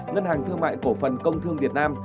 ngân hàng thương mại cổ phần công thương việt nam